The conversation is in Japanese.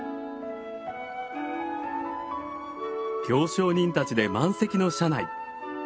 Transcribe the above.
行商人たちで満席の車内。